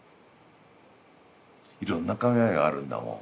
いろんな考えがあるんだもん。